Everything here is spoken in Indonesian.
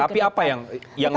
tapi apa yang lainnya menjadi